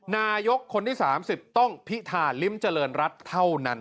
นายกคนที่๓๐ต้องพิธาลิ้มเจริญรัฐเท่านั้น